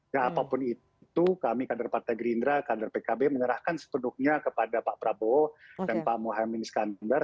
ya apapun itu kami kader partai gerindra kader pkb menyerahkan setuduknya kepada pak prabowo dan pak muhaymin iskandar